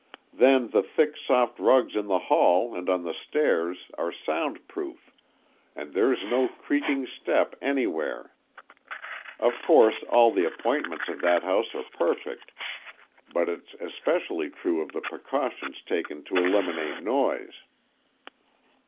Then the thick, soft rugs in the hall and on the stairs are soundproof, and there's no creaking step anywhere. Of course, all the appointments of that house are perfect, but it's especially true of the precautions taken to eliminate noise."